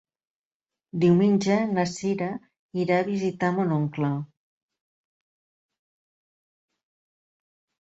Diumenge na Sira irà a visitar mon oncle.